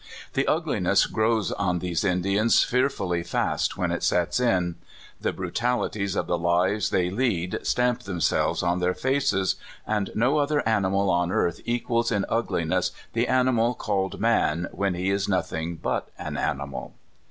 The ugliness grows on these Indians fearfully fast when it sets in. The brutalities of the lives they lead stamp themselves on their faces; and no other animal on earth equals in ugliness the animal called man, when he is nothinjj but an animal.